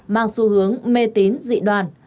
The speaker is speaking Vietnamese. mang xu hướng mê tín dị đoàn